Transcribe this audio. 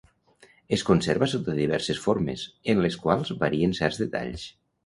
Es conserva sota diverses formes, en les quals varien certs detalls.